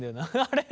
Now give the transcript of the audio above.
あれ？